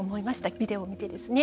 ビデオを見てですね。